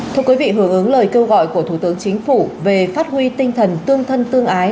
thưa quý vị hưởng ứng lời kêu gọi của thủ tướng chính phủ về phát huy tinh thần tương thân tương ái